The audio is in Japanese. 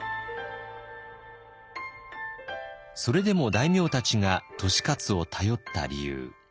それでも大名たちが利勝を頼った理由。